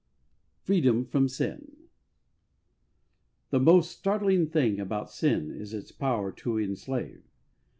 Freedom from Sin. T he most Startling thing about sin is its power to enslave.